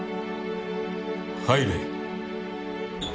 入れ。